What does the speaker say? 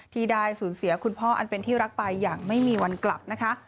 ที่ได้สูญเสียคุณพ่ออันเป็นที่รักไปอย่างไม่มีวันกลับนะคะ